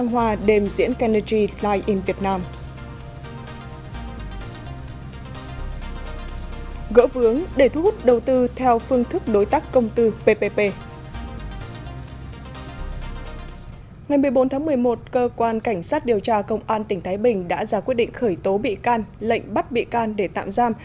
ngày một mươi bốn một mươi một cơ quan cảnh sát điều tra công an tỉnh thái bình đã ra quyết định khởi tố bị can lệnh bắt bị can để tạm giam